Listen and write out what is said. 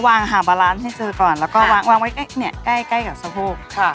ใส่เซ็นบ์โดนไกลอยู่ในซื้อก่อนแล้วก็วางไว้ใกล้กับสะโหกค่ะ